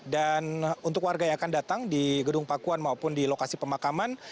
dan untuk warga yang akan datang di gedung pakuan maupun di lokasi pemakaman